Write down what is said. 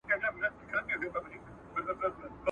له کندهاره تر بخارا